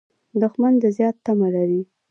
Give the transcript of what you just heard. دښمن د زیان تمه لري